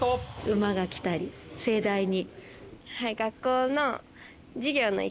馬が来たり盛大に。